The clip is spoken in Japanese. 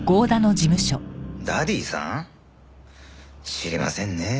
知りませんねえ